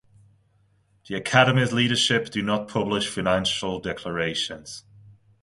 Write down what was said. The Academy’s leadership do not publish financial declarations.